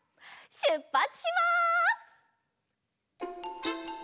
しゅっぱつします！